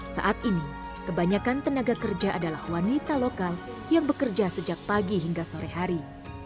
saat ini kebanyakan tenaga kerja adalah wanita lokal yang bekerja sejak pagi hingga sore hari